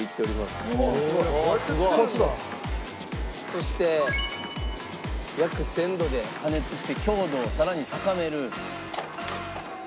そして約１０００度で加熱して強度をさらに高める。